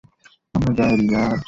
আমরা যাই, রিয়াজ?